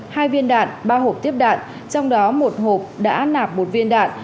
hai viên đạn ba hộp tiếp đạn trong đó một hộp đã nạp một viên đạn